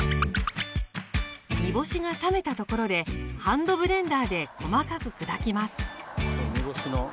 煮干しが冷めたところでハンドブレンダーで細かく砕きます。